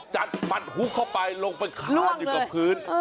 จัดฟันฮุกเข้าไปลงไปคานอยู่กับพื้น